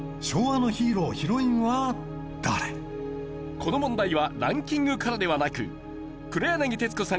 この問題はランキングからではなく黒柳徹子さん